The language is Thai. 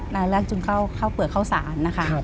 รากจุงเข้าเปือกเข้าศาลนะคะ